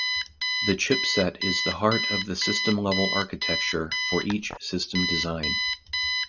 The chipset is the heart of the system-level architecture for each system design.